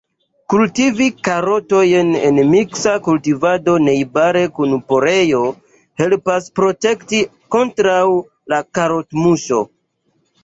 Kultivi karotojn en miksa kultivado najbare kun poreo helpas protekti kontraŭ la karotmuŝo.